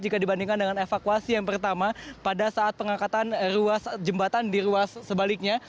jika dibandingkan dengan evakuasi yang pertama pada saat pengangkatan ruas jembatan di ruas sebaliknya